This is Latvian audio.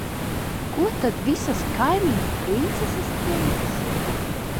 Ko tad visas kaimiņu princeses teiks?